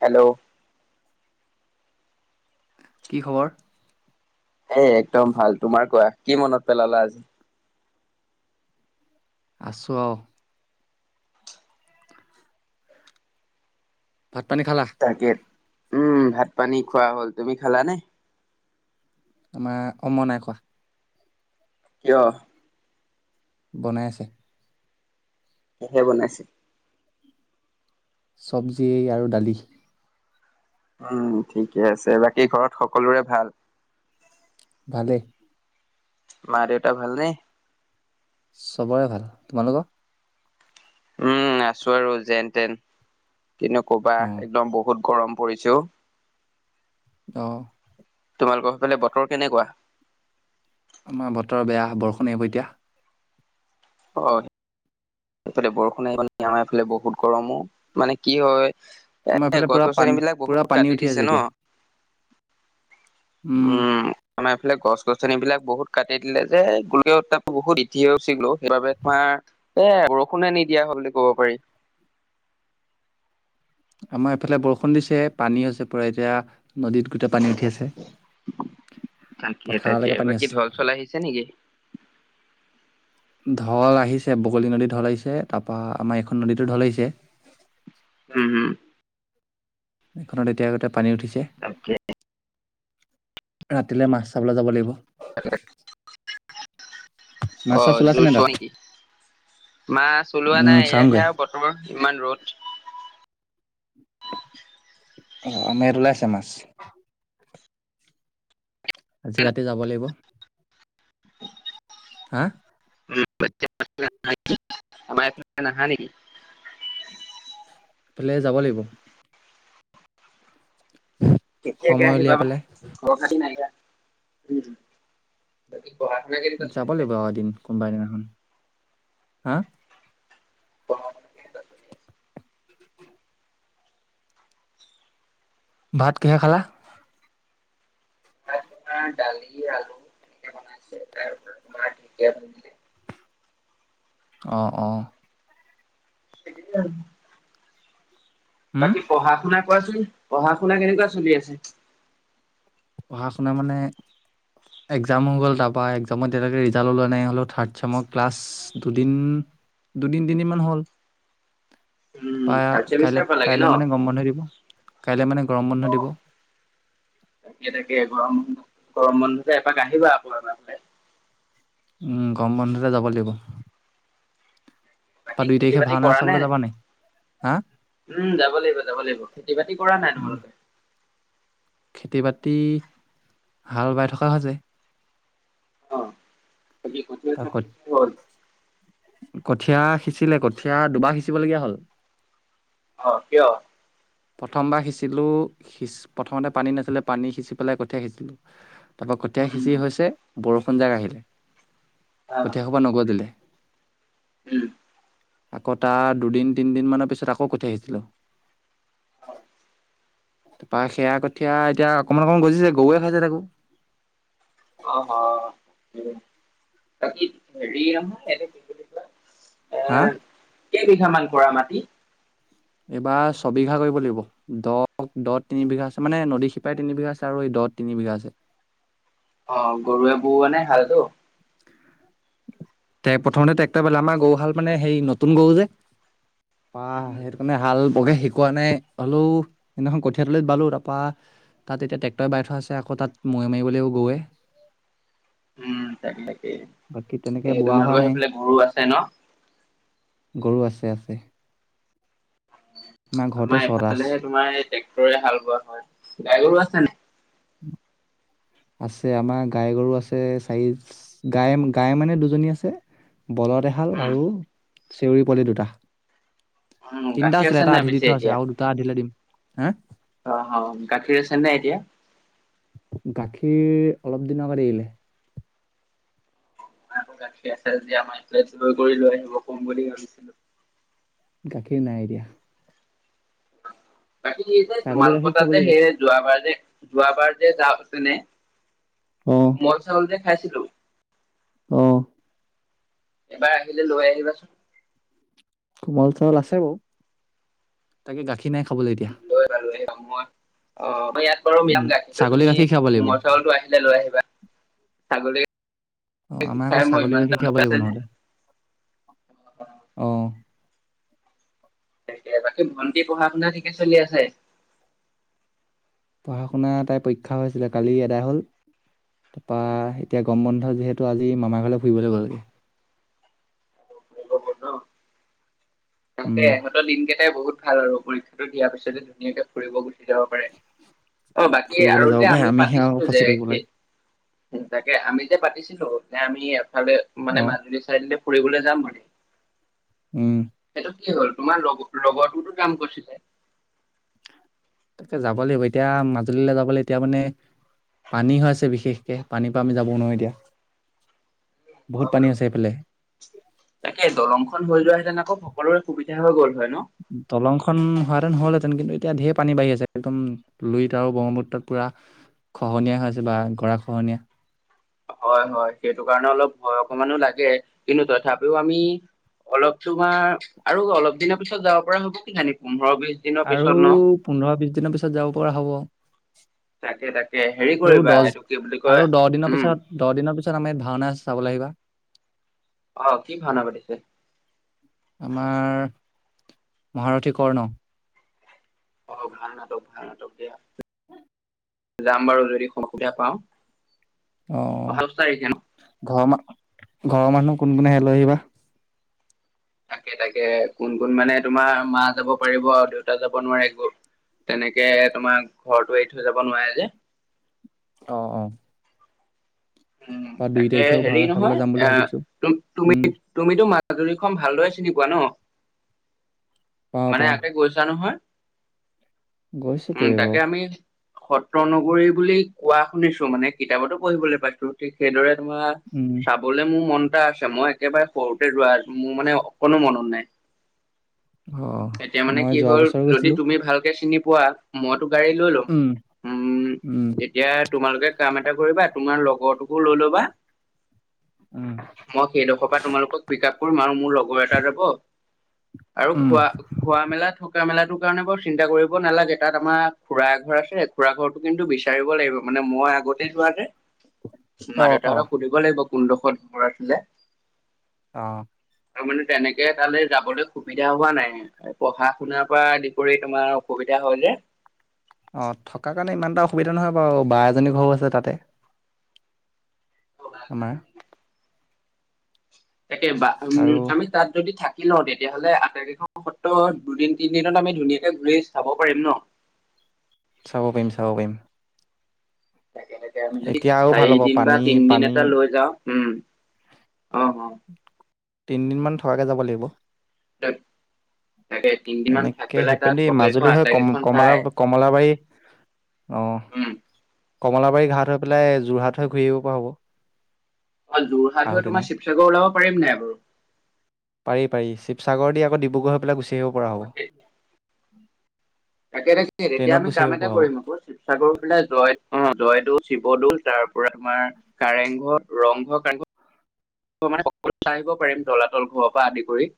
Hello, কি খবৰ? এ একদম ভাল তোমাৰ কোৱা কি মনত পেলালা আজি। আছো আৰু। ভাত পানী খালা? তাকে উম, বভাত পানী খোৱা হ'ল তুমি খালানে? আমাৰ অ' মই নাই খোৱা। কিয়? বনাই আছে। কিহে বনাইছে? চবজি আৰু দালি। উম, ঠিকে আছে বাকী ঘৰত সকলোৰে ভাল। ভালে। মা দেউতা ভাল নে? চবৰে ভাল, তোমালোকৰ? উম, আছো আৰু যেন তেন কিনো ক'বা অ একদম বহুত। গৰম পৰিছে অ', অহ তোমালোকৰ সেইফালে বতৰ কেনেকুৱা? আমাৰ বতৰৰ বেয়া বৰষুণ আহিব এতিয়া। অ' সেইফালে বৰষুণ আহিব আমাৰফালে বহুত গৰমো মানে কি হয়। আমাৰ এ এইফালে গছ পুৰা পানী গছনিবিলাক পুৰা বহুত পানী কাটি উঠি আছে দিছে ন। এতিয়া। উম, আমাৰ এইফালে গছ গছনি বিলাক বহুত কাটি দিলে যে গোলকিও উত্তাপ বহুত বৃদ্ধি হৈছে অ' সেইবাবে তোমাৰ এ বৰষুণে নিদিয়া হ'ল বুলি কব পাৰি। আমাৰ এফালে বৰষুণ দিছে পানী হৈছে পোৰা এতিয়া নদীত গোটেই পানী উঠি আছে। তাকে পথাৰলৈকে পানী তাকেবাক আছে। ঢল-চল আহিছে নেকি? ঢল আহিছে বগলী নদী ঢল আহিছে তাৰপা আমাৰ এইখন নদীতো ঢল আহিছে। উম-উম, এখনত এতিয়া আগতে পানী উঠিছে। তাকে ৰাতিলৈ মাছ চাবলৈ যাব লাগিব। মাছ চাছ অ' ওলাইছে নাই তাত? জুছোৱা নেকি? না চলোৱা উম নাই চাওঁগে। এয়াহে আৰু বতৰৰ ইমান ৰ'দ। আমাৰ এইফালে আছে মাছ। আজি ৰাতি যাব লাগিব হা, আম নহা নেকি [unintelligible] ফালে যাব লাগিব। কেতিয়াকে সময় আহি উলিয়াই পাবা পেলাই ঘৰ খাতি নাইিয়া যাব লাগিব অ এদিন কোনোবাই দিনাখনখন হা অ ভাত কিহে খালা ডালি আলু এনে [unintelligible] অ অ স [unintelligible] উম বাকী পঢ়া শুনা কোৱাচোন পঢ়া শুনা কেনেকুৱা চলি আছে পঢ়া শুনা মানে একজাম হৈ গ'ল তাৰপৰা একজামততিয়ালৈকে ৰিজাল্ট ওলোৱা নাই হ'লেও থাৰ্ড চামৰ ক্লাছ দুদিন দুদিন তিনিমান হ'ল উম পা থাৰ্ড চেমিষ্টাৰ কাইলৈ পালাগে ন? কাইলে মানে গম বন্ধ দিব কাইলৈ মানে গৰম বন্ধ অ' দিব তাকে তাকে গৰম বন্ধ গৰম বন্ধতে এপাক আহিবা আকৌ এ ফালে উম গম বন্ধতে যাব লাগিব তাৰপা দুই খেতি তাৰিখে বাতি ভাওনা কৰা চাবলৈ নাই যাবা হা উম যাব লাগিব যাব লাগিব খেতি বাতি কৰা নাই উম তোমালোকে খেতি বাতি হাল বাই থকা হয় ছে অ পি ক চ তাক কি [unintelligible] কঠীয়া সিঁচিলে কঠীয়া দুবাৰ সিঁচিবলগীয়া হল অ কিয় প্ৰথমবাৰ সিঁচিলোঁ সিঁ প্ৰথমতে পানী নাছিলে পানী সিঁচি পেলাই কঠীয়া সিঁচিলোঁ তাৰপৰা কঠীয়া উম সিঁচি হৈছে বৰষুণ জাক আহিলে অ' কঠীয়া সোপা নগজিলে উম আকৌ তাৰ দুদিন তিনদিন মানৰ পিছত আকৌ কঠিয়া হিছিলো তাৰপৰা সেয়া কঠীয়া এতিয়া অকমান অকমান গজিছে গৰুৱে খাইছে তাকো অ অ [unintelligible] হা কেইবিঘা মান কৰা মাটি এইবাৰ ছবিঘা কৰিব লাগিব দ দ তিন বিঘা আছে মানে নদী শিপাৰে তিনি বিঘা আছে আৰু এই দ তিনি বিঘা আছে অ গৰুৱে বৌ মানে ভালতো প্ৰথমতে ট্ৰেক্টৰ পে আমাৰ গৰু হাল মানে সেই নতুন গৰু যে আহ সেইটো কাৰণে হাল বকে শিকোৱা নাই হ'লো সদিনাখন কঠিয়াতলিত বালো তাৰপা তাত এতিয়া ট্ৰেক্টৰ বাই থোৱা আছে আকৌ তাত মৈ মাৰিবলৈও গৈৱে উম তাকে তাকেই তেনেকে এই বোৱা হোৱা তোমালোকৰ নাই সেইফালে গৰু আছে ন গৰু আছে আছে ঘৰতে আমাৰ ছটা এফালেহে তোমাৰ এই ট্ৰেক্টৰে হাল বোৱা হয় গাই গাওঁ আছেনে আছে আমাৰ গাই গৰু আছে চাৰি গাই গাই মানে দুজনী আছে বলদেহাল উম, আৰু চেউৰী পোৱলি দুটা উম, তিনিটা গাখীৰ আছিলে আছে এটা নাই আধি দি পিছে থোৱা আছে এতিয়া? আৰু দুটা আধিলৈ দিম হা অ অ গাখীৰ আছে নাই এতিয়া গাখীৰ অলপ দিনৰ আগত এৰিলে গাখি আছে যে আমাৰ এইাই জৈ কৰি লৈ আহিব কম বুলি ভাবিছিলো গাখীৰ নাই এতিয়া বাকী স যে ছাগলী তোমালোকৰ গাখীৰ খাব তাত যে লাগিব সেই যোৱাবাৰ যে যোৱাবাৰ যে যা আছে নে অ কোমল চাউল যে খাইছিলো অ এবাৰ আহিলে লৈ আহিবাচোন কোমল চাউল আছে বাৰ তাকে গাখীৰ নাই খাবলৈ এতিয়া লৈ লালো এই যাম মই অ ম ইয়াত বাৰু উম, মিলাম গাখীৰটো ছাগলী তুমি গাখীৰ খীৰাব লাগিব। কোমল চাউলটো আহিলে লৈ আহিবা ছাগলী অ গাখীৰ আমাৰ আকৌ খাই মই ছাগলী ইমান এটা ৰখি ভাল খাব লাগিব পাইছে নহলে যে। আহ তেইে বাকী ভন্টি পঢ়া শুনা ঠিকে চলি আছে পঢ়া শুনা তাই পৰীক্ষা হৈছিলে কালি এদাই হ'ল তাৰপা এতিয়া গম বন্ধু যিহেতু আজি মামাৰ ঘৰলৈ ফুৰিবলৈ গ'লগে ববৰ ন তাকে উম, ইহতৰ দিনকেইটাই বহুত ভাল আৰু পৰীক্ষাটো দিয়াৰ পিছতে ধুনীয়াকে ফুৰিব গ যাব পাৰে অ বাকী ফুৰিবলৈ আৰু যাব এ পাৰে আমি আমিহে আৰু পাতিছিলো ফচি যে থাকিব লাগে, সেই তাকে আমি যে পাতিছিলো তে আমি এফালে মানে অ', মাজুলী চাইড ফুৰিবলৈ যাম মানে উম কি হ'ল তোমাৰ লগ লগৰটোতো কাম কৰিছিলে তে যাব লাগিব এতিয়া মাজুলীলৈ যাবলৈ এতিয়া মানে পানী হৈ আছে বিশেষকে পানীৰ পৰা আমি যাব নোৱাৰো এতিয়া বহুত বাৰ পানী আছে এইফালে তাকে দলংখন হৈ যোৱা হেতেন আকৌ সকলোৰে সুবিধা হৈ গ'ল হয় ন? দলংখন সন হললেহেতেন কিন্তু এতিয়া ধে পানীঢ়ি আছে একদমুইত আৰু ব্ৰহ্মপুত্ৰত পুৰা খহনীয়াছে বা গৰা খহনীয়া হয় হয় সেইটো কাৰণে অলপ ভয় অকমানো লাগে কিন্তু তথাপিও আমি অলপ তোমাৰ আৰু অলপ দিনৰ পিছত যাব পৰা হ'ব কি খানি পোন্ধৰ বি আৰু পোন্ধৰ বিশ দিনৰ পিছত যাব পৰা হ'ব তাকে তাকে হেৰি আৰু কৰিবা দহ এইটো কি বুলি কয় আৰু দহ দিনৰ উম পিছত দহ দিনৰ পিছত আমাৰ ভাওনা আ চাব ল আহিবা আহ কি ভাানা পাটিছে আমাৰ মহাৰথী কৰ্ণ অ ভাল নাটক ভাল নাটক দিয় যাম বাৰু যদি সসুবিধা পাওঁ অ অহা দহ তাৰিখে ন ঘৰৰ ম ঘৰৰ মানুহ কোন কোনে হে লৈ আহিবা তাকে তাকে কোন কোন মানে তোমাৰ মা যাব পাৰিব আৰু দেউতা যাব নোৱাৰে গ তেনেকে তোমাৰ ঘৰতো এৰি থৈ যাব নোৱাৰে যে আহ অ উম বা দুই তাকে তাৰিখেও হেৰি ভাওনা চাবলৈ যাম বুলি নহয় ভাবিছো আহ উম তুমি তুমিতো মান হাজৰি খ ভালদৰে চিনি পোৱা ন পাওঁ মানে পাওঁ আগে গৈছা নহয় গৈছো উম কেইবাবাৰো তাকে আমি সত্ৰ নগৰী বুলি কোৱা শুনিছো মানে কিতাপতো পঢ়িবলৈ পাইছো ঠিক সেইদৰে ম উম চাবলৈ মোৰ মন আছে মই একেবাৰে সৰুতে ৰোৱা আছো মোৰ মানে অকো মনত নাই অ এতিয়া মানে মই কি যোৱা হ'ল বছৰো যদি গৈছিলো তুমি ভালকে চিনি পোৱা মইতো গাড়ী লৈ লো উম উম উম এতিয়া তোমালোকে কাম এটা কৰিবা তোমাৰ লগৰটোকো লৈ লবা উম মই সেইডোখৰ পৰা তোমালোকক পিক আপ কৰিম আৰু মোৰ লগৰ এটা যাব আৰু উম খোৱা খোৱা মেলা থকা মেলাৰ কাৰণে বৰ চিন্তা কৰিব নালাগে তাত আমাৰ খুৰা ঘৰ আছে খুৰা ঘৰটো কিন্তু বিচাৰিব লাগিব মানে মানে মই আগতে যোৱা যে মা অ অ দেউতাহক সুধিব লাগিব কোনডোখৰ ডৰছিলে আহ তাৰ মানে তেনেকে তালৈ যাবলৈ সুবিধা হোৱা নাই পঢ়া শুনাৰ পৰা আদি কৰি তোমাৰ অসুবিধা হয় যে অ', থকাৰ কাৰণে ইমান এটা অসুবিধা নহয় বাৰু বা এজনী ঘৰো আছে তাতে। আমাৰ [unintelligible] বা উম, আৰু আমি তাত যদি থাক ল তেতিয়াহ'লে আটাইকেইখন সত্ৰ দুদিন, তিনিদিনত আমি ধুনীয়াকে ঘূৰি চাব পাৰিম ন? চাব পাৰিম, চাব পাৰিম। তাকে, তাকে আমি যদি এতিয়া আৰু ভাল চাৰি হ'ব দিন বা পানী তিনদিন পানী এটা লৈ যাওঁ হম। অহ, অহ। তিনদিনমান থকাকৈ যাব লাগিব। [unintelligible] তিনদিন মান থাকি এনেকে পেলাই তাত সেপেন্দি ফটোকেইখন মাজুলী হৈ আটাইকেইখন কম-কমলা চাই কমলাবাৰী অহ, উম কমলাবাৰী ঘাট হৈ পেলাই যোৰহাট হৈ ঘূৰি আহিব পাৰোঁ। অ', যোৰহাট হৈ তোমাৰ শিৱসাগৰ ওলাব পাৰিম নাই বাৰু? পাৰি, পাৰি শিৱসাগৰ দি আকৌ ডিব্ৰুগড় হৈ পেলাই গুচি আহিব পৰা হ'ব। তাকে, তাকে তেতিয়া ট্ৰেইনত আমি গুচি কাম আহিব এটা পৰা হ'ব কৰিম আকৌ শিৱসাগৰ পিলাই জয় উম, জয় দৈচ শিৱদৌল তাৰ পৰা আমাৰ কাৰেংঘৰ, ৰংঘৰ কাৰেংঘৰ মানে সকল আহিব পাৰিম তলাতল ঘৰৰ পৰা আদি কৰি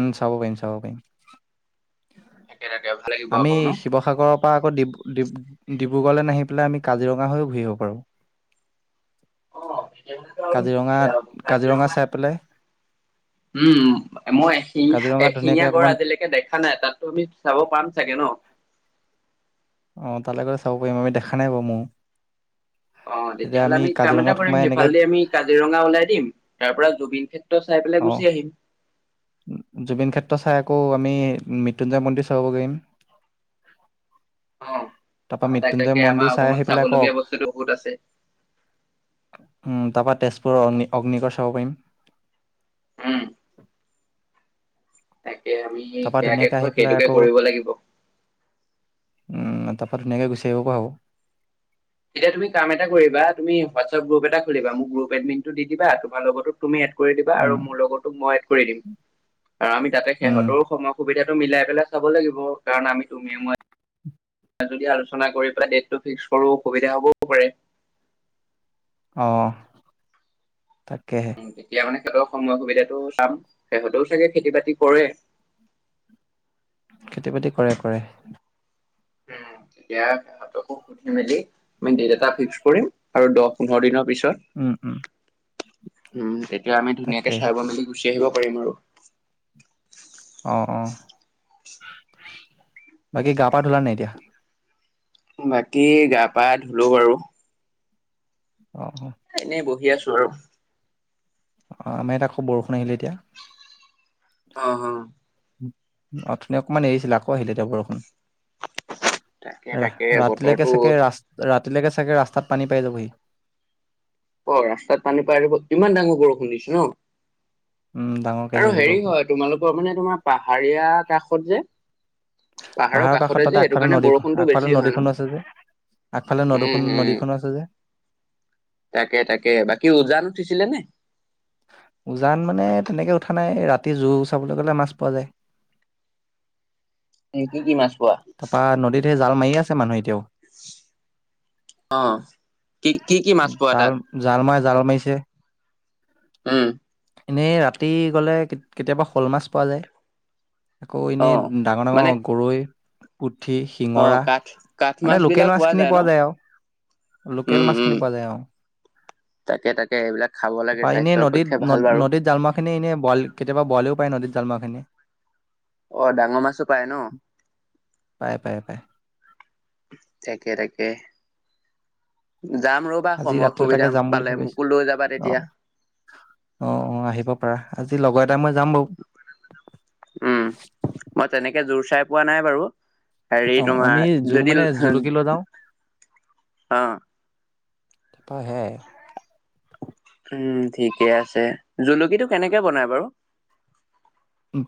উম, চাব পাৰিম চাব পাৰিম। তাকে তাকে ভাল লাগিব আমি আকৌ ন শিৱসাগৰৰ পৰা আকৌ ডিব ডিব্ৰুগড়লৈ নাহি পেলাই আমি কাজিৰঙা হৈও ঘূৰিব‌ আহিব পাৰো। অ তেতিয়াহলেতো আৰু সুবিধা হ'ব কাজিৰঙাত কাজিৰঙা চাই পেলাই উম, মই এশিঙা কাজিৰঙাত ধুনীয়াকে এশিঙীয়া গড় অকমান আজিলৈকে দেখা নাই তাতো আমি চাব পাম চাগে ন? অ', তালৈ গ'লে চাব পাৰিম আমি দেখা নাই বাৰু ময়ো অ', তেতিয়া তেতিয়াহ'লে আমি কাম এটা কাজিৰঙাত কৰিম সোমাই এনেকে সেইফালেদি আমি কাজিৰঙা ওলাই দিম তাৰ পৰা জুবিন ক্ষেত্ৰ চাই পেলাই অ গুচি আহিম। জুবিন ক্ষেত্ৰ চাই আকৌ আমি মৃত্যুঞ্জয় মন্দিৰ চাব পাৰিম অ অ তাৰপৰা তাক মৃত্যুঞ্জয় তাকে আমাৰ মন্দিৰ চাই অসমত আহি পেলাই চাবলগীয়া কওঁক উম, বস্তুটো বহুত আছে তাৰপৰা তেজপুৰৰ অগ্নি অগ্নিগড় চাব পাৰিম। উম তাকে আমি তাৰপা সেয়াকে ধুনীয়াকে আহি পেলাই সেইটোকে আকৌ কৰিব লাগিব। উম, তাৰ পা ধুনীয়াকে গুচি আহিব পৰা হ'ব। এতিয়া তুমি কাম এটা কৰিবা, তুমি হোৱাটছআপ গ্ৰুপ এটা খুলিবা মোক গ্ৰুপ এডমিটটো দি দিবা তোমাৰ লগতো তুমি এড কৰি দিবা আৰু উম মোৰ লগৰটোক মই এদ কৰি দিম আৰু আমি তাতে উম সিহঁতৰ সময় সুবিধা টো মিলাই পেলাই চাব লাগিব কাৰণ আমি তুমি মই যদি আলোচনা কৰি পেলাই ডেটটো ফিক্স কৰো অসুবিধা হ'বও পাৰে অহ, তাকেহে। উম, তেতিয়া মানে সিহঁতৰ সময় সুবিধাতটো চাম সিহঁতেও চাগে খেতি বাতি কৰে খেতি বাতি কৰে, কৰে। উম, তকো সুধি মেলি দেত এটা ফিক্স কৰিম আৰু দহ পোন্ধৰ দিনৰ পিছত উম উম উম, তেতিয়া আমি ধুনীয়াকে তাকে চাই মেলি গুচি আহিব পাৰিম আৰু। অ', অ', বাকী গা পা ধূলা নে নাই এতিয়া? বাকী গা পা ধুলো বাৰু। অ', অ'। [unintelligible] আৰু অ', আমাৰ এতিয়া খুব বৰষুণ আহিলে এতিয়া। অ', অ'। অথনি অকণমান এৰিছিলে আকৌ আহিলে এতিয়া বৰষুণ তাকে ৰা তাকে ৰাতিলৈকে বতৰটো চাগে ৰাচ-ৰাত তেতিলেকে চাগে ৰাস্তাত পানী পাই যাবহি। অ ৰাস্তাত পানী পাই আহিব ইমান ডাঙৰ বৰষুণ দিছে ন। উম ডাঙৰকে আহি আৰু আছে হেৰি বৰষুণ হয় তোমালোকৰ মানে তোমাৰ পাহাৰীয়া কাষত যে। পাহাৰৰ কাষতে কাষত যে তাতে সেইটো আগফালৰ কাৰণে নদী বৰষুণটো বেছি আগফালৰ হয় ন। নদীখনো আছে যে। আগফালে উম নদখন হম নদীখনো আছে যে। তাকে তাকে বাকী উজান উঠিছিলে নে? উজান মানে তেনেকে উঠা নাই ৰাতি জুোৰ চাবলৈ গলে মাছ পোৱা যায়। [unintelligible] কি কি মাছ। পোৱা? তাৰপৰা নদীত সেই জাল মাৰি আছে মানুহে এতিয়াও। অহ ঠিক। জাল জাল মাই জাল মাৰিছে। উম। এনেই ৰাতি গ'লে কেতিয়াবা শ'ল মাছ পোৱা যায়। আকৌ এনেই অ', মানে ডাঙৰ-ডাঙৰ গৰৈ, পুঠ পুঠি, অ', শিঙৰা কাঠ কাঠ মাছ মানে বিলাক লোকেল মাছখিনি ন? পোৱা যায় আৰু উম, লোকেল মাছ উম, কেনে পোৱা যায় অ, তাকে তাকে এইবিলাক খাব লাগে তাপা এনেই স্বাস্থ্যৰ নদীত পক্ষে ভাল নদ বাৰু। -নদীত জালমৰা খিনি এনে বইল কেতিয়াবা বইলও পায় নদীত। জালময়া খিনি অ, ডাঙৰ মাছো পায় ন'? পায় পায় পায় থাকে-থাকে। যাম ৰবা আজি সময় ৰাতিলৈ তাকে সুবিধা যাম পালে মোকো লৈ যাবা তেতিয়া। অ', অ', আহিব পাৰা আজি লগৰ এটাই মই যাম বাৰু। উম, মই তেনেকে জোৰ চাই পোৱা নাই বাৰু। হেৰি অঁ আমি তোমাৰ জোৰ যদি মানে জুলুকি লৈ যাওঁ [unintelligible] অ, তইহে উম, ঠিকে আছে জুলুকিটো কেনেকে বনাই বাৰু?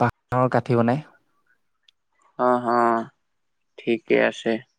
বাঁহৰ গাঠি বনাই। অ, হ, ঠিকেই আছে।